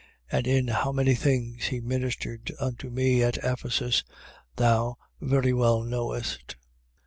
And in how many things he ministered unto me at Ephesus, thou very well knowest.